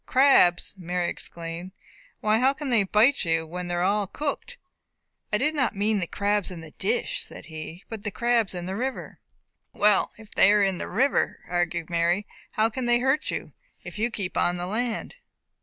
"Crabs!" Mary exclaimed. "Why how can they bite you, when they are all cooked?" "I do not mean the crabs in the dish," said he, "but the crabs in the river." "Well, if they are in the river," argued Mary, "how can they hurt you, if you keep on the land?"